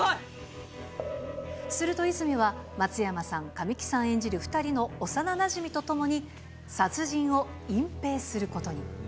すると泉は、松山さん、神木さん演じる２人の幼なじみと共に、殺人を隠蔽することに。